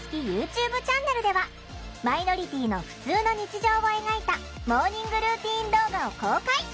チャンネルではマイノリティーのふつうの日常を描いたモーニングルーティン動画を公開！